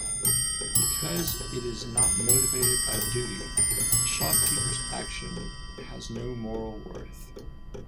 Because it is not motivated by duty, the shopkeeper's action has no moral worth.